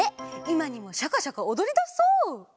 いまにもシャカシャカおどりだしそう！